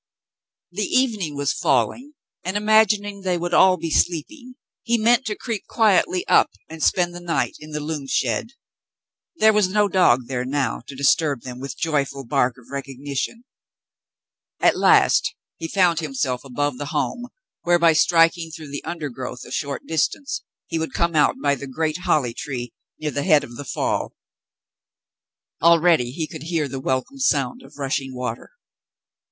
The evening was falling, and, imagining they would all be sleeping, he meant to creep quietly up and spend the night in the loom shed. There was no dog there now to disturb them with joyful bark of recognition. At last he found himself above the home, where, by striking through the undergrowth a short distance, he would come out by 154 The Mountain Girl the great holly tree near the head of the fall. Already he could hear the welcome sound of rushing water.